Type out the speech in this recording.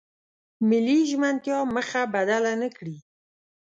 ملي ژمنتیا مخه بدله نکړي.